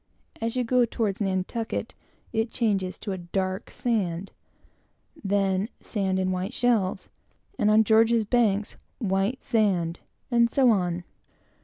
As you go toward Nantucket, it changes to a dark sand; then, sand and white shells; and on George's Banks, white sand; and so on.